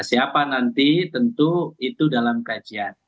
siapa nanti tentu itu dalam kajian